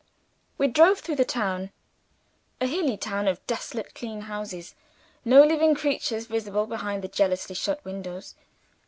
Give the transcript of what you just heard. We drove through the town a hilly town of desolate clean houses. No living creatures visible behind the jealously shut windows.